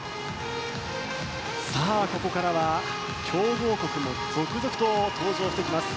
さあ、ここからは強豪国が続々と登場してきます。